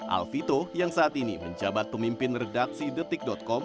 alvito yang saat ini menjabat pemimpin redaksi detik com